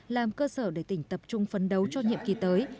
làm cơ sở để tỉnh tập trung phấn đấu cho nhiệm kỳ tới